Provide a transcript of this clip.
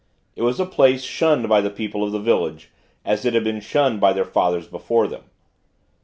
It was a place shunned by the people of the village, as it had been shunned by their fathers before them.